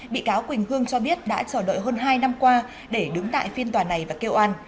bị cáo quỳnh hương cho biết đã chờ đợi hơn hai năm qua để đứng tại phiên tòa này và kêu an